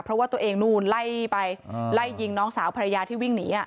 เพราะว่าตัวเองนู่นไล่ไปไล่ยิงน้องสาวภรรยาที่วิ่งหนี